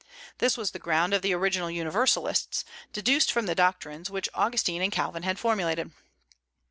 This was the ground of the original Universalists, deduced from the doctrines which Augustine and Calvin had formulated.